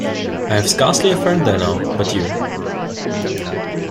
I have scarcely a friend there now but you.